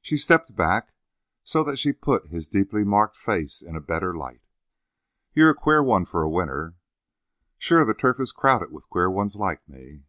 She stepped back so that she put his deeply marked face in a better light. "You're a queer one for a winner." "Sure, the turf is crowded with queer ones like me."